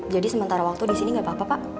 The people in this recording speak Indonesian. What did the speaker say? jadi sementara waktu di sini gak apa apa pak